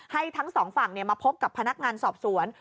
ทั้งสองฝั่งมาพบกับพนักงานสอบสวน